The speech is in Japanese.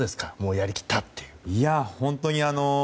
やり切ったっていう。